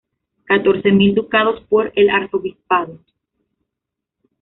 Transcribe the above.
catorce mil ducados por el arzobispado